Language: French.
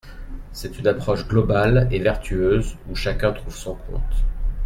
C’est une approche globale et vertueuse où chacun trouve son compte.